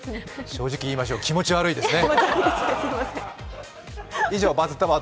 正直に言いましょう、気持ち悪いですね。